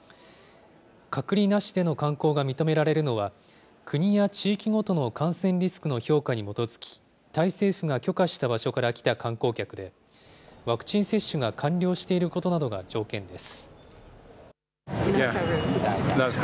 隔離なしでの観光が認められるのは、国や地域ごとの感染リスクの評価に基づき、タイ政府が許可した場所から来た観光客で、ワクチン接種が完了していることなどが条件です。